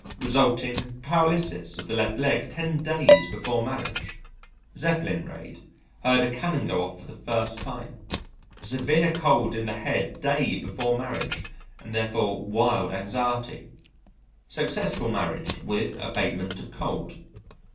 Resulting paralysis of left leg ten days before marriage. Zeppelin raid (heard a cannon go off for the first time). Severe cold in the head day before marriage (and therefore wild anxiety). Successful marriage with abatement of cold.